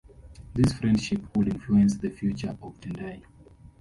This friendship would influence the future of Tendai.